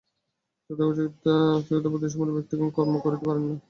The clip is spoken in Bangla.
যথার্থ আস্তিক্যবুদ্ধিসম্পন্ন ব্যক্তিগণ কর্ম করিতে পারেন না।